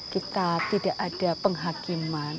kita tidak ada penghakiman